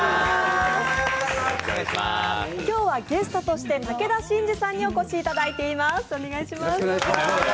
今日はゲストとして武田真治さんにお越しいただいています。